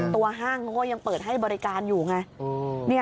ตัวห้างยังเปิดให้บริการอยู่ไง